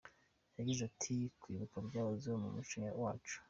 Yagize ati: "Kwibuka byahozeho mu muco wacu.